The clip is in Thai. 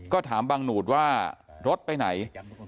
ก็ถามบังหนูดว่ารถไปไหน